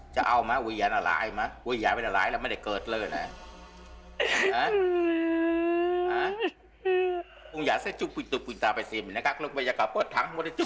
จะเอาไหมวิญญาณอร่ายไหมวิญญาณเป็นอร่ายแล้วไม่ได้เกิดเลยนะ